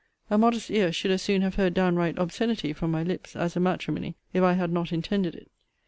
A modest ear should as soon have heard downright obscenity from my lips, as matrimony, if I had not intended it.